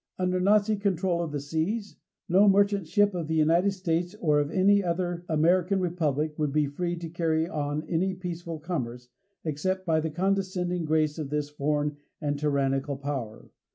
Under Nazi control of the seas, no merchant ship of the United States or of any other American Republic would be free to carry on any peaceful commerce, except by the condescending grace of this foreign and tyrannical power.